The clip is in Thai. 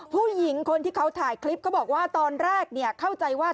ผู้หญิงคนที่เขาถ่ายคลิปเขาบอกว่าตอนแรกเข้าใจว่า